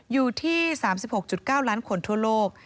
อยู่ที่๓๖๙ล้านคนทั่วโลก